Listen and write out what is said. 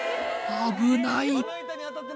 危ない！